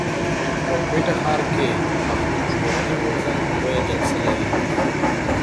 په کوټه ښار کښي پښتون ژغورني غورځنګ لويه جلسه لري.